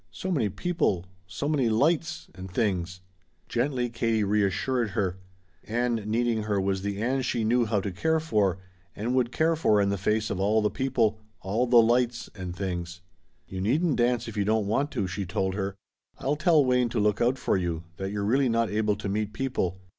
So many people so many lights and things." Gently Katie reassured her. Ann needing her was the Ann she knew how to care for, and would care for in the face of all the people all the "lights and things." "You needn't dance if you don't want to," she told her. "I'll tell Wayne to look out for you, that you're really not able to meet people.